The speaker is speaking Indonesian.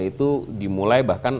itu dimulai bahkan